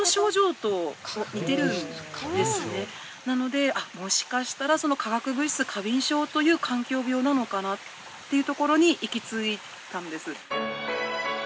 なのでもしかしたらその化学物質過敏症という環境病なのかなっていうところに行きついたんです。